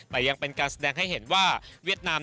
แต่เมื่อโค้ชมาเวียดนาม